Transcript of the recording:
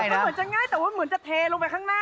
มันเหมือนจะง่ายแต่ว่าเหมือนจะเทลงไปข้างหน้า